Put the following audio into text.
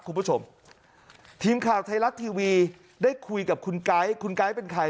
คุณผู้ชมทีมข่าวไทยรัฐทีวีได้คุยกับคุณไก๊คุณไก๊เป็นใคร